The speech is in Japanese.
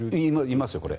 いますよ、これ。